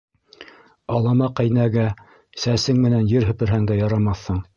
Алама ҡәйнәгә сәсең менән ер һеперһәң дә ярамаҫһың.